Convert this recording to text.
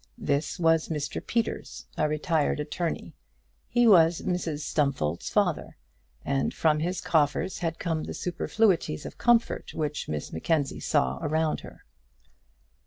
This was Mr Peters, a retired attorney. He was Mrs Stumfold's father, and from his coffers had come the superfluities of comfort which Miss Mackenzie saw around her.